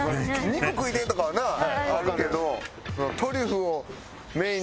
肉食いてえとかはあるけど。